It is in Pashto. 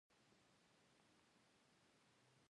آب وهوا د افغانانو د تفریح یوه وسیله ده.